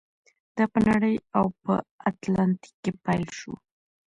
دا په نړۍ او په اتلانتیک کې پیل شو.